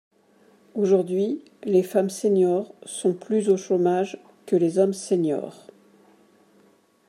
Aujourd’hui, les femmes seniors sont plus au chômage que les hommes seniors.